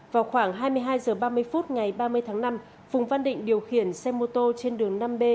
vào khoảng hai mươi hai h ba mươi phút ngày ba mươi tháng năm phùng văn định điều khiển xe mô tô trên đường năm b